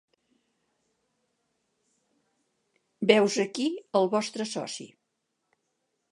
Veu's aquí el vostre soci.